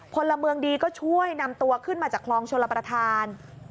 พลเมืองดีก็ช่วยนำตัวขึ้นมาจากคลองชลประธาน